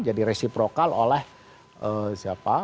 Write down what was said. jadi resiprokal oleh siapa